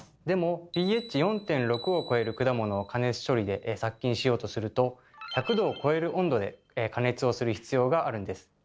でもｐＨ４．６を超える果物を加熱処理で殺菌しようとすると１００℃を超える温度で加熱をする必要があるんです。